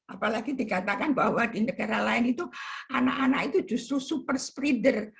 apalagi dikatakan bahwa di negara lain itu anak anak itu justru super spreader